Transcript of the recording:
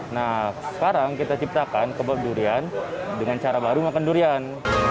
nah sekarang kita ciptakan kebal durian dengan cara baru makan durian